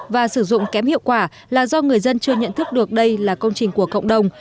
và sử dụng kém hiệu quả là do người dân chưa nhận thức được đây là công trình của cộng đồng